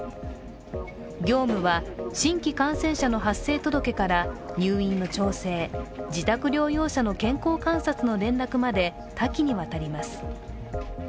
業務は、新規感染者の発生届から入院の調整自宅療養者の健康観察の連絡まで多岐にわたります。